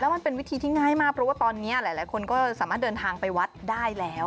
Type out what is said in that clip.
มันเป็นวิธีที่ง่ายมากเพราะว่าตอนนี้หลายคนก็สามารถเดินทางไปวัดได้แล้ว